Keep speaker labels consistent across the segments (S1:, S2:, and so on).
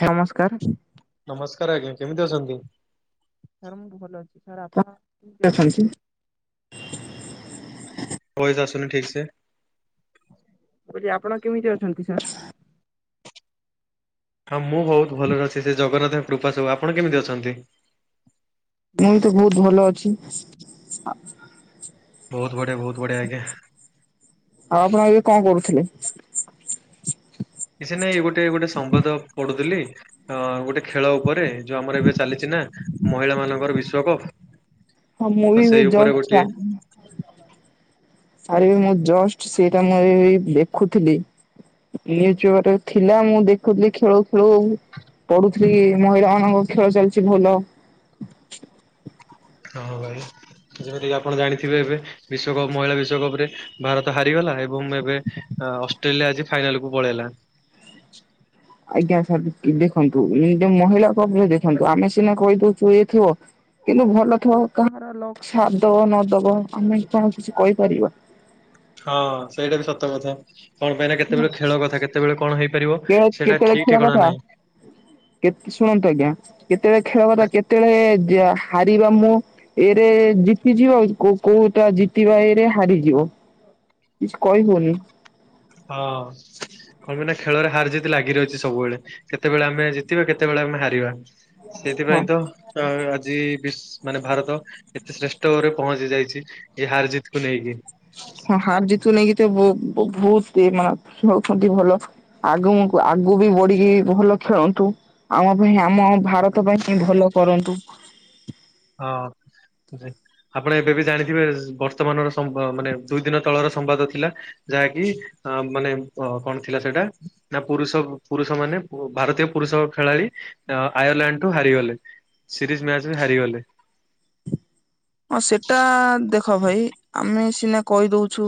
S1: ନମସ୍କାର।
S2: ରେ ଆଜ୍ଞା କେମିତି ଅଛନ୍ତି?
S1: ସାର୍ ମୁଁ ଭଲ ଅଛି ସାର୍ ଆପଣ କେମିତି ଅଛନ୍ତି,?
S2: ଭଏସ ଆସୁନି ଠିକ ସେ
S1: କ ଆପଣ କେମିତି ଅଛନ୍ତି ସାର୍?
S2: ହଁ ମୁଁ ବହୁତ ଭଲରେ ଅଛି। ସେ ଜଗନ୍ନାଥଙ୍କ କୃପା ସବୁ। ଆପଣ କେମିତି ଅଛନ୍ତି?
S1: ମୁଁ ବି ତ ବହୁତ ଭଲ ଅଛି। ଆ
S2: ବହୁତ ବଢଆ ବହୁତ ବଢ଼ିଆ ଆଜ୍ଞା
S1: ଆଉ ଆପଣ ଏବେ କଣ କରୁଥିଲେ?
S2: କିଛି ନାଇଁ ଗୋଟେ ଗୋଟେ ସମ୍ବାଦ ପଢୁଥିଲି ଅ ଗୋଟେ ଖେଳ ଉପରେ ଯୋଉ ଆମର ଏବେ ଚାଲିଛି ନା ମହିଳା ମାନଙ୍କର ବିଶ୍ଵକପ।
S1: ହଁ ମୁଁବି ଏବେ ଜଷ୍ଟ ସ୍ୱା ସାରିବି ମୁଁ ଜଷ୍ଟ ସେଇଟା ମୁଁ ଏ ଦେଖୁଥିଲି। ନିଉଜ ପେପରରେ ଥିଲା ମୁଁ ଦେଖୁଥିଲି ଖେଳଉ ଖେଳଉ ପଢୁଥିଲି ମହିଳା ମାନଙ୍କ ଖେଳ ଚାଲିଛି ଭଲ।
S2: କଣ ଭାଇ? ଯେମିତିକି ଆପଣ ଜାଣିଥିବେ ଏବେ ବିସ୍ୱକପ ମହିଳା ବିଶ୍ଵକପ ରେ ଭାରତ ହାରିଗଲା ଏବଂ ଏବେ ଅଷ୍ଟ୍ରେଲିଆ ଆଜି ଫାଇନାଲ କୁ ପଳେଇଲା।
S1: ଆଜ୍ଞା ସାର୍ ଦ ଦେଖନ୍ତୁ ମହିଳା କପରେ ଦେଖନ୍ତୁ ଆମେ ସିନା କହିଦଉଚୁ ଇଏ ଥିବ କିନ୍ତୁ ଭଲ ଥିବ କାହାର ଲକ ସାଥ ଦବ ନ ଦବ ଆମେ କଣ କିଛି କହିପାରିବା?
S2: ହଁ ସେଇଟା ବି ସତ କଥା। କଣ ପାଇଁନା କେତେବେଳେ ଖେଳ କଥା କେତେବେଳେ କଣ ହେଇପାରିବ ସେଟା ଠିକ ଠିକଣା ନାହିଁ।
S1: କେ ଶୁଣନ୍ତୁ ଆଜ୍ଞା କେତେବେଳେ ଖେଳ କଥା କେତେବେଳେ ଯା ହାରିବା ମୁଁ ଏରେ ଜିତିଯିବ ଆଉ କୋଉଟ ଜିତିବା ଏରେ ହାରିଯିବ। କିଛି କହିବନି।
S2: ହଁ। କଣ କିନା ଖେଳରେ ହାର ଯେି ଲାଗି ରହିଛି ସବୁବେଳେ, କେତେବେଳେ ଆମେ ଜିତିବା କେତେବେଳେ ଆମେ ହାରିବା।
S1: ହଁ
S2: ସେଇଥିପାଇଁ ତ ଅ ଆଜି ବି ମାନେ ଭାରତ ଏତେ ଶ୍ରେଷ୍ଠରରେ ପହଞ୍ଚି ଯାଇଛି ଏ ହାର ଜିତକୁୁ ନେଇକି।
S1: ହଁ ହାର ଜିତୁ ନେଇକି ତ ବହୁତ ମାନେ ଖେଳୁଛନ୍ତି ଭଲ ଆଗ ଆଗକୁ ବଢିକି ଭଲ ଖେଳନ୍ତୁ। ଆମ ପାଇଁ ଆମ ଭାରତ ପାଇଁ ହି ଭଲ କରନ୍ତୁ।
S2: ହଁ। ଯେ ଆପଣ ଏବେ ବି ଜାଣିଥିବେ, ବର୍ତ୍ତମାନର ମାନେ ଦୁଇ ଦିନ ତଳର ସମ୍ବାଦ ଥିଲା। ଯାହାକି ଅ ମାନେ କଣ ଥିଲା ସେଇଟା ନା ପୁରୁଷ ପୁରୁଷ ମାନେ ଭାରତୀୟ ପୁରୁ ସବୁ ଖେଳାଳି ଆୟଲାଣ୍ଡଠୁ ହାରିଗଲେ। ସିରିଏସ୍‌ ମ୍ୟାଚ ରେ ହାରିଗଲେ।
S1: ହଁ ସେଟା ଦେଖ ଭାଇ ଆମେ ସିନା କହି ଦୋଉଛୁ।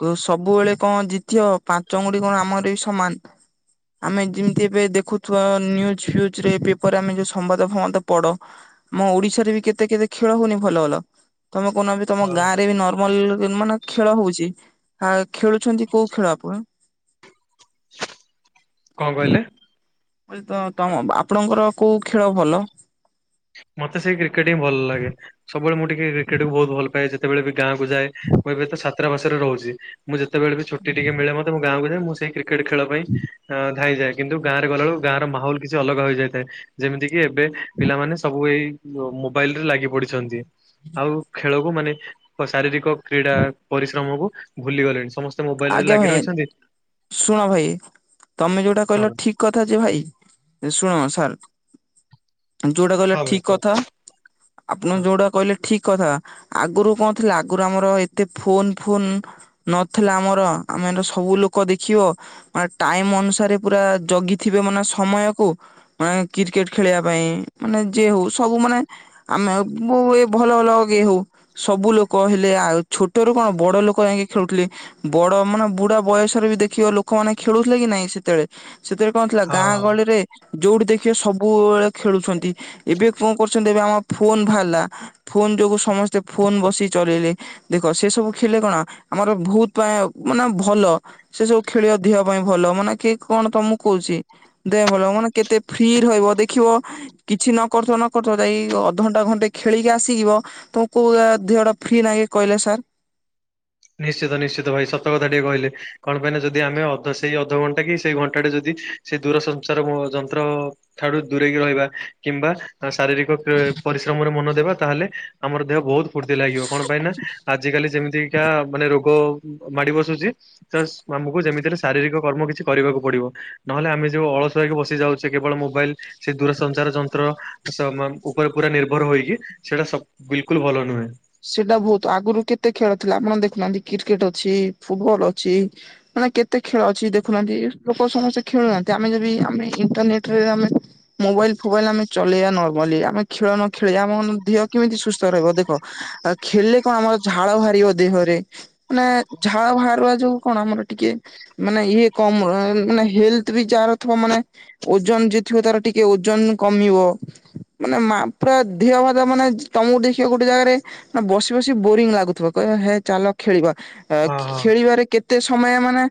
S1: କୋ ସବୁବେଳେ କଣ ଜିତିି ହବ ପାଞ୍ଚ ଆଙ୍ଗୁଠି କଣ ଆମର ବି ସମାନ। ଆମେ ଯେମିତି ଏବେ ଦେଖୁଥିବା ନିଜ୍ୟୁ ଫିଜ୍ୟୁ ରେ ପେପରରେ ଆମେ ଯୋଉ ସମ୍ବାଦ ସମ୍ବାଦ ପଢ ଆମ ଓଡିଶାରେ ବି କେତେ କେତେ ଖେଳ ହୋଉନି ଭଲ ଭଲ ତମେ କଣ ବି ତମ ଗାଁ ରେ ବି ନର୍ମାଲ ମାନେ ଖେଳ ହୋଉଛି । ଆ ଖେଳୁଛନ୍ତି କୋଉ ଖେଳ ଆପଣ?
S2: କଣ କହିଲେ?
S1: ମୁଁ କହିଲି ତ ତମ ଆପଣଙ୍କର କୋଉ ଖେଳ ଭଲ?
S2: ମତେ ସେଇ କ୍ରିକେଟ ହିଁ ଭଲ ଲାଗେ। ସବୁବେଳେ ମୁଁ ଟିକେ କ୍ରିକେଟକୁ ବହୁ ଭଲ ପାଏ ଯେତେବେଳେ ବି ଗାଁକୁ ଯଏ ମୁଁ ଏବେ ତ ଛାତ୍ରାବାସରେ ରହୁଛି ମୁଁଯେ ଯେତେବେଳେ ବି ଛୁଟି ଟିକେ ମିଳେ ମତେ ଗାଁକୁ ଯାଏ ମୁଁ ସେ କ୍ରେଟ ଖେଳ ପାଇଁଁ ଆଁ ଧାଇଁ ଯାଏ କିନ୍ତୁ ଗାଁରେ ଗଲାବେଳକୁ ଗାଁ ର ମାହୋଲ କିଛି ଅଲଗା ହୋଇଯାଇଥାଏ। ଯେମିତି କି ଏବେ ପିଲାମାନେ ସବୁ ଏଇ ମୋବାଇଲ୍ ରେ ଲାଗି ପଡିଛନ୍ତି। ଆଉ ଖେଳକୁ ମାନେ ଶାରୀରିକ କ୍ରୀଡ଼ା ପରିଶ୍ରମ କୁ ଭୁଲି ଗଲେଣି ସମ ମୋବାଇଲ୍ ରେ
S1: ଆଜ୍ଞା
S2: ଲାଗି
S1: ଭାଇ
S2: ରହିଛନ୍ତି?
S1: ଶୁଣ ଭାଇ ତମେ ଯୋଉଟା
S2: ହଁ
S1: କହିଲ
S2: ଭାଇ
S1: ଠିକ କଥା ଯେ ଭାଇ ଶୁଣୁ ସାନ୍‌ ଯୋଉଟା କହିଲେ
S2: ହଁ ଭାଇ
S1: ଠିକ୍
S2: କୁହ
S1: କଥା ଆପଣ ଯୋଉଟା କହିଲେ ଠିକ୍ କଥା ।ଆଗରୁ କଣ ଥିଲା ଆଗରୁ ଆମର ଏତେ ଫୋନ ଫୋନ ନ ଆମର ଆମେ ସବୁ ଲୋକ ଦେଖିବ ଟାଇମ୍ ଅନୁସାରେ ପୁରା ଜଗିଥିବେ ମାନେ ସ ସମୟକୁ ମାନେ କ୍ରିକେଟ ଖେଳିବା ପାଇଁ ମାନେ ଯେ ହୋଉ ସବୁ ମାନେ ଆମେ ଏ ଭଲ ଭଲ ଇ ହୋଉ ସବୁ ଲୋକ ହେଲେ କାଉଁ ଛୋଟରୁ କଣ ବଡ ଲୋକ ଯାଇକି ଖେଳୁଥିଲେ ବଡ଼ ମାନେ ବୁଢା ବୟସରେ ବି ଦେଖିବ ଲୋକମାନୋନେ ଖେଳୁଥିଲେ କି ନାଇଁ ସେତେଳେ ସେଥିରେ କଣ ଥିଲା
S2: ହଁ
S1: ଗାଁ
S2: ହଁ।
S1: ଗହଳିରେ ଯୋଉଠି ଦେଖିବା ସବୁବେଳେ ଖେଳୁଛନ୍ତି ଏବେ କଣ କରୁଛନ୍ତି ଏବେ ଆମ ଫୋନ୍ ବାହାରିଲା ଫୋନ୍ ଯୋଗୁଁ ସମସ୍ତେ ଫୋନ୍ ବସି ଚଳେଇଲେ, ଦେଖ ସେ ସବୁ ଖେଲେ କଣ ଆମର ଭୋହୁତ ପେଁ ମାନେ ଭଲ ସେ ସବୁ ଖେଳିବା ଧିଅ ପାଇଁ ଭଲ ମାନେ କି କଣ ତମକୁ କହୁଛି ଦେ ମାନେ କେତେ ଫ୍ରି ରହିବ ଦେଖିବ କିଛି ନ କରିଥ ନ କରିଥ ଯାଇ ଅଧଣ୍ଟା ଘଣ୍ଟେ ଖେଳିଲେ ଏ ଯିଏ ଆସିିବ ତୁମ କ ଦହଟା ଫ୍ରି ନେ କହିଲେ ସାର୍?
S2: ନିଶ୍ଚିତ ନିଶ୍ଚିତ ଭାଇ ସତ କଥା ଟିକେ କହିଲେ କଣ ପାଇଁନା ଯଦି ଆମେ ଅଧ ସେଇ ଅଧଘଣ୍ଟା କି ସେଇ ଘଣ୍ଟାଟେ ଯଦି ସେ ଦୂରସଞ୍ଚାର ଯନ୍ତ୍ର ଠାରୁୁ ଦୂରେଇକି ରହିବା। କିମ୍ବା ଶାରୀରିକ ପରିଶ୍ରମରେ ମନ ଦେବା ତାହେଲେ ଆମର ଦେହ ବହୁତ ଫୁର୍ତି ଲାଗିବ କଣ ପାଇଁ ନା ଆଜିକାଲି ଯେମିତି ଶିକ୍ଷା ମାନେ ରୋଗ ମାଡ଼ି ବସୁଛି ତ ଆମକୁ ଯେମିତିରେ ଶାରୀରିକ କର୍ମ କିଛି କରିବାକୁ ପଡିବ। ନହେଲେ ଆମେ ଯୋଉ ଅଳସୁଆକି ବସି ଯାଉଛେ କେବଳ ମୋବାଇଲ ସେ ଦୂରସଞ୍ଚାର ଯନ୍ତ୍ର ଉପରେ ପୁରା ନିର୍ଭର ହୋଇକି ସେଇଟା ସ ବିଲକୁଲ୍ ଭଲ ନୁହେଁ।
S1: ସେଟା ବୋହୁତ ଆଗରୁ କେତେ ଖେଳ ଥିଲା ଆପଣ ଦେଖୁନାହାନ୍ତି କ୍ରିକେଟ ଅଛି ଫୁଟବଲ ଅଛି। କେତେ ଖେଳ ଅଛି ଦେଖୁନାହାନ୍ତି, ଲୋକ ସମସ୍ତେ ଖେଳୁହାନ୍ତି ଆମେ ଯଦି ଆମେ ଇଣ୍ଟରନେଟ ରେ ଆମେ ମୋବାଇଲ ଫୋବାଇଲ ଆମେ ଚଳେଇବା ନର୍ମାଲି ଆମେ ଖେଳ ନ ଖେଳିବା ଆମ ଦେହ କେମିତି ସୁସ୍ଥ ରହିବ, ଦେଖ ଆଉ ଖେଳିଲେ କଣ ଆମର ଝାଳ ବାହାରିବ ଦେହରେ। ମାନେ ଝାଳ ବାହାରୁଆ ଯୋଉ କଣ ଆମର ଟିକେ ମାନେ ଇଏ କମ ମାନେ ହେଲଥ ବି ତାର ଥିବା ମାନେ ଓଜନ ଯଏ ଥିବ ତାର ଟିକେ ଓଜନ କମିବ। ମାନେ ମା ପୁରା ଦେହ ଭାତ ମାନେ ତମକୁ ଦେଖିବ ଗୋଟେ ଜାଗାରେ ନା ବସି ବସି ବୋରିଙ୍ଗ ଲାଗୁଥିବ କହ ହେ ଚାଲ ଖେଳିବା
S2: ହଁ ହଁ।
S1: ଖେଳିବାରେ କେତେ ସମୟ ମାନେ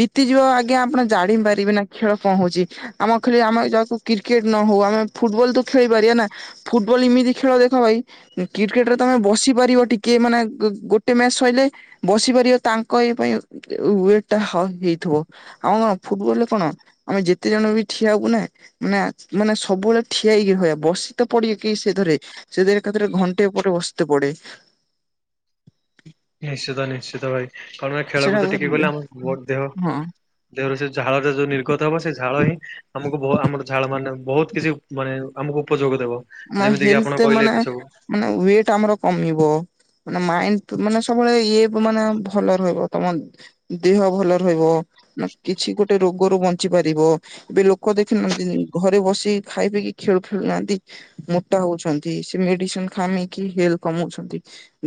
S1: ବିତିଯିବ ଆଜ୍ଞା ଆପଣ ଜାଣି ପାରିବେ ନା ଖେଳ କଣ ହୋଉଚି ଆମ ଖେ ଆମ କ୍ରିକେଟ ନ ହୋଉ ଆମେ ଫୁଟବଲ ତ ଖେଳି ପାରିବା ନା ଫୁଟବଲ ଏମିତି ଖେଳ ଦେଖ ଭାଇ କ୍ରିକେଟ୍ ତମେ ବସି ପାରିବ ଟିକେ ମାନେ ଗୋଟେ ମ୍ୟାଚ ସରିଲେ ବସିପାରିବ ତାଙ୍କ ଏଇ ପାଇଁ ୱେଟ୍ ଟା ହେଇଥିବ ଆମ କଣ ଫୁଟବଲ ରେ କଣ ଆମେ ଯେତେ ଜଣ ବି ଠିଆ ହବୁ ନା ମାନେ ସବୁବେଳେ ଠିଆଇକି ରହ ବସି ତ ପଡେ କି ସେରେ ସେରେ ଏକାଥରେ ଘଣ୍ଟେ ଉପରେ ବସି ପଡେ
S2: ନିଶ୍ଚିତ ନିଶ୍ଚିତ ଭାଇ କଣ
S1: ସେଟା
S2: ଖେଳକୁଦ ଟିକେ ଗଲେ ଆମ ବ ଦେହ
S1: ହଁ
S2: ଦେହରୁ ସେ ଝାଳରୋ ଯୋଉ ନିର୍ଗତ ହବ ସେ ଝାଳ ହିଁ ଆମକୁ ଆମର ଝାଳ ମାନେ ବୋହୁତ କିଛି ମାନେ ଆମକୁ ଉପଯୋଗ ଦେବ
S1: ଆ
S2: ଯେମିତି କିି ଆପଣ
S1: ହେଲଥରେ
S2: କହିଲେ
S1: ମାନେ
S2: ଏବେ ସବୁ
S1: ମାନେ ୱେଟ ଆମର କମିବ। ମାନେ ମାଇଣ୍ଡ ମାନେ ସବୁବେଳେ ଇଏ ମାନେ ଭଲ ରହିବ ତମ ଦେହ ଭଲ ରହିବ। ନା କିଛି ଗୋଟେ ରୋଗରୁ ବଞ୍ଚି ପାରିବ, ଏବେ ଲୋକ ଦେଖିନାହାନ୍ତି ଘରେ ବସି ଖାଇ। କି ଖେଳ ଖେଳନାହାନ୍ତି। ମୋଟା ହଉଛନ୍ତି ସେ ମେଡିସିନ ଖାମକି ହେଲ୍ କମଉଛନ୍ତି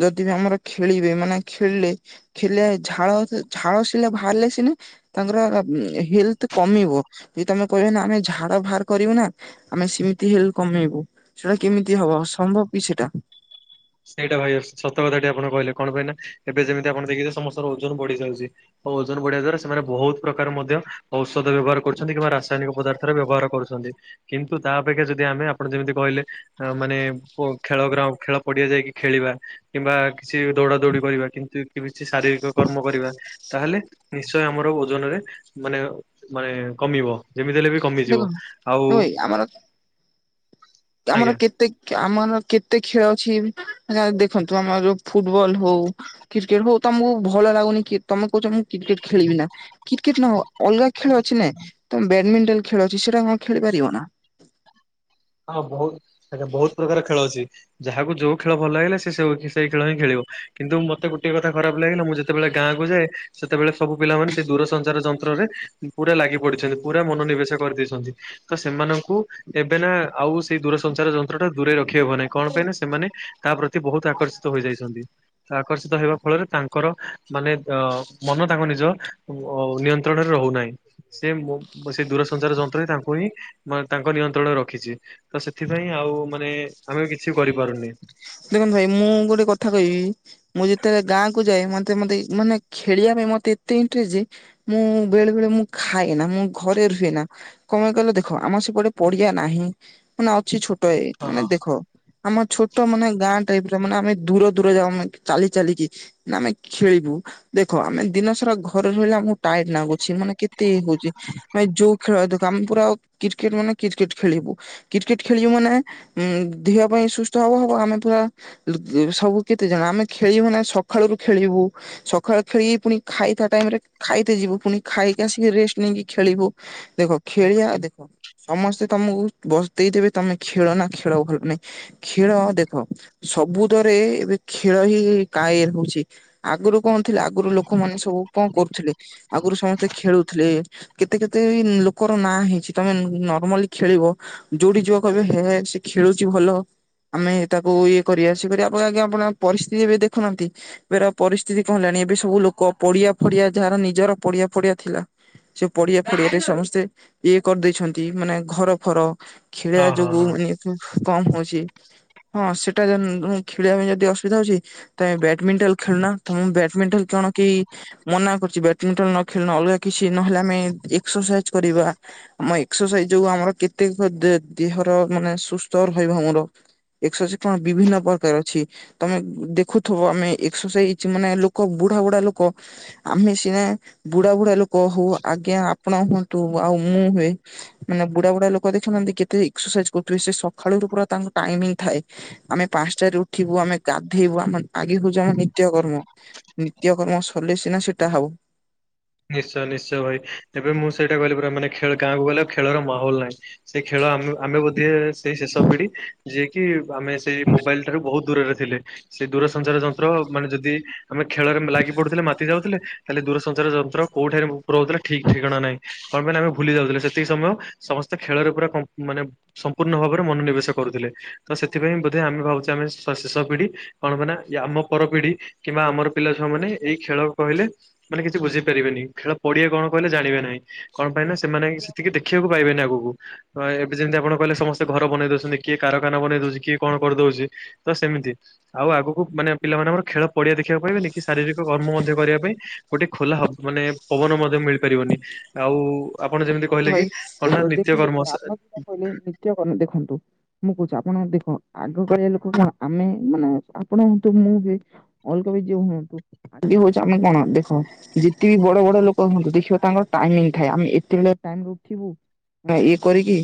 S1: ଯଦି ବି ଆମ ଖେଳି ମାନେ ଖେଳିଲେ ଖେଳିଲେ ଝାଳ ଝାଳ ସି ବାହାରିଲେ ସିନା ତାଙ୍କର ହେଲର୍ଥ କମିବ ଯଦି ତମେ କହିବ ନା ଆମେ ଝାଳ ବାହାର କରିବ ନା ଆମେ ସେମିତି ହେ କମେଇବୁ ସେଟା କେମିତି ହବ ସମ୍ଭବ କି ସେଟା।
S2: ସେଇଟା ଭାଇ ସତ କଥା ଆପଣ କହିଲେ କଣ ପାଇଁ ନା ଏବେ ଯେମିତି ଆପଣ ଦେଖିେ ସମସ୍ତର ଓଜନ ବଢି ଯାଉଛି। ଓଜନ ବଢିବା ଦ୍ଵାରା ସେମାନେ ବୋହୁତ ପ୍ରକାର ମଧ୍ୟ ଔଷଧ ବ୍ୟବହାର କରୁଛନ୍ତି କିମ୍ବା ରାସାୟନିକ ପଦାର୍ଥ ବ୍ୟବହାର କରୁଛନ୍ତି କିନ୍ତୁ ତା ଅପେକ୍ଷା ଯଦି ଆମେ ଆପଣ ଯେମିତି କହିଲେ ମାନେ ଖେଳ ଖେଳ ପଡିଆ ଯାଇକି ଖେଳିବା କିମ୍ବା କିଛି ଦୌଡା ଦୌଡି କରିବା କିନ୍ତୁ କିଛି ଶାରୀରିକ କର୍ମ କରିବା ତାହେଲେ ନିଶ୍ଚୟ ଆମର ଓଜନରେ ମାନେ ମାନେ କମିବ। ଯେମିତି ହେଲେ ବି
S1: ଦେଖ
S2: କମିଯିବ ଆଉ ଆଜ୍ଞା।
S1: ତମର କେତେ ଆମର କେତେ ଖେଳ ଅଛି ଦେଖନ୍ତୁ ଆମର ଫୁଟବଲ ହଉ କ୍ରିକେଟ ହଉ ତ ଆମକୁ ଭଲ ଲାଗୁନି କି ତମେ କହୁଚ ମୁଁ କ୍ରିକେଟ ଖେଳିବି ନା କ୍ରିକେଟ ନହ ଅଲଗା ଖେଳ ଅଛି ନାଇ ତମ ବ୍ୟାଡମିଣ୍ଟନ ଖେଳ ଅଛି ସେଟା କଣ ଖେଳିପାରିବ ନା?
S2: ହଁ ବୋହୁତ ଆଜ୍ଞା ବୋହୁତ ପ୍ରକାର ଖେଳ ଅଛି। ଯାହାକୁ ଯୋଉ ଖେଳ ଭଲ ଲାଗିଲା ସେ ସେଇ ଖେଳ ହିଁ ଖେଳିବ କିନ୍ତୁ ମତେ ଗୋଟେ କଥା ଖରାପ ଲାଗିଲା ମୁଁ ଯେତେବେଳେ ଗାଁ କୁ ଯାଏ ସେତବେଳେ ସବୁ ପିଲାମାନେ ସେଦୂରସଞ୍ଚାର କ୍ଷେତ୍ର ରେ ପୁରା ଲାଗି ପଡିଛନ୍ତି, ପୁରା ମନୋନିବେଶ କରିଦେଇଛନ୍ତି ତ ସେମାନଙ୍କୁ ଏବେ ନା ଆଉ ସେଇ ଦୂରସଞ୍ଚାର ଯନ୍ତ୍ର ଟା ଦୂରେଇ ରଖି ହବ ନାଇଁ କଣ ପାଇଁ ନା ସେମାନେ ତା ପ୍ରତି ବୋହୁତ ଆକର୍ଷିତ ହୋଇଯାଇଛନ୍ତି ଆକର୍ଷିତ ହେବା ଫଳରେ ତାଙ୍କର ମାନେ ଅ ମ ତାଙ୍କ ନିଜ ନିୟନ୍ତ୍ରଣରେ ରହୁନି। ସେ ସେ ଦୂରସଞ୍ଚାର ଯନ୍ତ୍ରରେ ତାଙ୍କୁ ହିଁ ତାଙ୍କ ନିୟନ୍ତ୍ରଣରେ ରଖିଚି। ତ ସେଥିପାଇଁ ଆଉ ମାନେ ଆମେ ବି କିଛି କରିପାରୁନି।
S1: ଦେଖନ୍ତୁ ଭାଇ ମୁଁ ଗୋଟେ କଥା କହିବି ମୁଁ ଯେତେବେଳେ ଗାଁକୁ ଯାଏ ମତେ ମତେ ମାନେ ଖେଳିବା ମେତେ ଏତେ ଇନ୍ତ୍ରେଷ୍ଟ ମୁଁ ବେଳେ ବଳେ ମୁଁ ଖାଏ ନା ମୁ ଘରେ ରୁହେ ନା କଣେ କଣ ଦେଖ ଆମର ସେପଟେ ପଡିଆ ନାହିଁ ମାନେ ଅଛି ଛୋଟ ଏଇ
S2: ହଁ
S1: ମାନେ
S2: ହଁ।
S1: ଦେଖ ଛୋ ଟ ମାନେ ଗାଁ ଟାଇପ ର ମାନେ ଆମେ ଦୂର ଦୂର ଯାଉ ମାନେ ଚାଲି ଚାଲିକି ଆମେ ଖେଳିବୁ ଦେଖ ଆମେ ଦିନ ସାରା ଘରେ ରହିଲେ ଆମକୁ ଟାଇଡ ନାଗୁଚି ମାନେ କେତେ ଇଏ ହଉଛି ଯୋଉ ଖେଳ ଆମେ ଦେଖ କ୍ରେ ମାନେ କ୍ରେଟ ଖେଳିବୁ କ୍ରେଟ ଖେଳିବୁ ମାନେ ଦେହ [unintelligible] ତ ହବ ଆମେ ପୁରା ସବୁ କେତେ ଜଣ ଆମେ ଖେଳିବୁ ନା ସକାଳ ରୁ ଖେଳିବୁ ସକା ଖେଳ ଖେଳ ପୁଣି ଖାଇବା ଟାଇମ୍ ରେ ଖାଇତେ ଯିବୁ ପୁଣି ଖାଇକି ଆସିକି ରେଷ୍ଟ ନେଇିକି ଖେଳିବୁ ଦେଖ ଖେଳିଆ ଦେଖ ସମସ୍ତେ ତମକୁ ବସି ଦେଇଦେବେ ତମେ ଖେଳ ନା ଖେଳ ଭଲ ନାହିଁ ଖେଳ ଦେଖ ସବୁଦରେ ଏବେ ଖେଳ ହିଁ କାଏର ହଉଚି ଆଗରୁ କଣ ଥିଲେ ଆଗରୁ ଲୋକମାନେ ସବୁ କଣ କରୁଥିଲେ ଆଗରୁ ସମସ୍ତେ ଖେଳୁଥିଲେ କେତେ କେତେ ଲୋକ ର ନାଁ ହେଇଚି ତମେ ନର୍ମାଲି ଖେଳିବ ଯୋଉଠି ଯିବ କହିବ ହେ ସେ ଖେଳୁଚି ଭଲ । ଆମେ ତାକୁ ଇଏ କରିବା ସିଏ କରିବା ଆପଣ ଆଜ୍ଞା ଆପଣ ପରିସ୍ଥିତି ଏବେ ଦେଖୁନାହାନ୍ତି ଏ ପରିସ୍ଥିତି କଣ ହେଲାଣି ଏବେ ସବୁ ଲୋକ ପଡିଆ ଫଡିଆ ଯାହାର ନିଜର ପଡିଆ ଫଡିଆ ଥିଲା ସେ ପଡିଆ ଫଡିଆରେ ସମସ୍ତେ ଇଏ କରିଦେଇଛନ୍ତି ମାନେ ଘର ଫର। ଖେଳିବା
S2: ହଁ ହଁ
S1: ଯୋଗୁ
S2: ହଁ।
S1: ମାନେ କମ ହଉଚି । ହଁ ସେଇଟା ନ୍ ଖେଳିବା ପାଇଁ ଯଦି ଅସୁବିଧା ହଉଚି ତମେ ବଡମିଣ୍ଟନ ଖେଳୁନ ତମ ବ୍ୟାଡମିଣ୍ଟନ କଣ କେହି ମନା କରୁଛଚି ବ୍ୟାଡମିଣ୍ଟନ ନ ଖେଳ ଅଲଗା କିଛି ନହେଲେ ନାହିଁ ଏକ୍ସରସାଇଜ କରିବା । ଆମ ଏକ୍ସରସାଇଜ ଯୋଗୁ ଆମର କେତେ ଦେ -ଦେହର ମାନେ ସୁସ୍ଥ ରହିବ ଆମର । ଏକ୍ସରସାଇଜ କଣ ବିଭିନ୍ନ ପ୍ରକାର ଅଛି, ତମେ ଦେଖୁଥିବ ଆମେ ଏକ୍ସରସାଇଜ ମାନେ ଲୋ କ ବୁଢା ବୁଢା ଲୋକ ଆମେ ସିନା ବୁଢା ବୁଢା ଲୋକ ହଉ ଆଜ୍ଞା ଆପଣ ହୁଅନ୍ତୁ। ଆଉ ମୁଁ ହୁଏ ମାନେ ବୁଢା ବୁଢା ଲୋକ ଦେଖୁନାହାନ୍ତି କେତେ ଏକ୍ସରସାଇଜ କରୁଥିବେ ସେ ସକାଳୁ ରୁ ପୁରା ତାଙ୍କ ଟାଇମିଂ ଥାଏ ଆମେ ପାଞ୍ଚଟାରେ ଉଠିବୁ ଆମେ ଗାଧେଇବୁ ଆମ ଆଗେ ହଉଚି ଆମ ନିତ୍ୟ କର୍ମ। ନିତ୍ୟ କର୍ମ ସଲେ ସିନା ସେଟା ହବ ।
S2: ନିଶ୍ଚୟ ନିଶ୍ଚୟ ଭାଇ ଏବେ ମୁଁ ସେଇଟା କହିଲି ପରା ମାନେ ଖେଳ ଗାଁକୁ ଗଲେ ଖେଳର ମାହୋଲ ନାହିଁ ସେ ଖେଳ ଆମେ ଆମେ ବୋଧେ ସେଇ ଶେଷ ପିଢି ଯିଏକି ଆମେ ସେଇ ମୋବାଇଲ ଠାରୁ ବହୁତ ଦୂରରେ ଥିଲେ। ସେ ଦୂରସଞ୍ଚାର ଯନ୍ତ୍ର ମାନେ ଯଦି ଆମେ ଖେଳରେ ଲାଗି ପଡୁଥିଲେ ମାତି ଯାଉଥିଲେ ତାହେଲେ ଦୂରସଞ୍ଚାର ଯ କୋଉଠାରେ ମୁପ୍ର ହଉଥିଲା ଠିକ ଠିକଣା ନାହିଁ। କଣ ପାଇଁ ନା ଆମେ ଭୁଲି ଯାଉଥିଲେ ସେତିକି ସମୟ ସମସ୍ତେ ଖେଳରେ ପୁରା ମାନେ କମ ମାନେ ସମ୍ପୂର୍ଣ୍ଣ ଭାବରେ ମନୋନିବେଶ କରୁଥିଲେ। ତ ସେଥିପାଇଁ ବୋଧେ ଆମେ ଭାବୁଚେ, ଆମେ ଶେଷ ପିଢି କଣ ପାଇଁ ନା ଆମ ପର ପିଢି କିମ୍ବା ଆମର ପିଲା ଛୁଆ ମାନେ ଏଇ ଖେଳ କହିଲେ ମାନେ କିଛି ବୁଝି ପାରିବେନି ଖେଳ ପଡିଆ କଣ କହିଲ ଜାଣିବେ ନାହିଁ କଣ ପାଇଁ ନା ସେମାନେ ସେତିକି ଦେଖିବାକୁ ପାଇବେନି ଆଉ। ଗକୁ ତ ଏବେ ଯେମିତି ଆପଣ କହିଲେ ସମସ୍ତେ ଘର ବନେଇ ଦଉଛନ୍ତି, କିଏ କାରଖାନା ବନେଇ ଦଉଚି କିଏ କଣ କରିଦଉଚି ତ ସେମିତି ଆଉ ଆଗକୁ ମାନେ ପିଲାମାନଙ୍କର ଖେଳ ପଡିଆ ଦେଖିବାକୁ ପାଇବେନି କି ସ ଶାରୀରିକ କର୍ମ ମଧ୍ୟ କରିବା ପାଇଁ ଗୋଟେ ଖୋଲା ହ ମାନେ ପବନ ମଧ୍ୟ ମିଳିପାରିବନି ଆଉ ଆପଣ ଯେମିତି
S1: [unintelligible]
S2: କହିଲେ
S1: ଆପଣ
S2: କି କଣ ନା ନିତ୍ୟ କର୍ମ
S1: ସିନା କହିଲେ ନିତ୍ୟକର୍ମ, ଦେଖନ୍ତୁ। ମୁଁ କହୁଚି ଆପଣ ଦେଖ ଆଗ କାଳିଆ ଲୋକ କଣ ଆମେ ମାନେ ଆପଣ ହୁଅନ୍ତୁ ମୁଁ ହୁଏ ଅଲଗା ବି କିଏ ହୁଅନ୍ତୁ ଆଗେ ହଉଚି ଆମେ କଣ ଦେଖ ଯେତିକି ବଡ଼ ବଡ ଲୋକ ହୁଅନ୍ତୁ ଦେଖିବ ତାଙ୍କର ଟାଇମିଂଥାଏ । ଆମେ ଏତବେ ମ ରେ ଉଠିବୁ ଇଏ କରିକି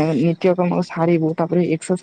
S1: ମା ନିତ୍ୟ କର୍ମ ସାରିବୁ ତାପରେ ଏକ୍ସସା